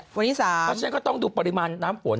เพราะฉะนั้นก็ต้องดูปริมาณน้ำฝน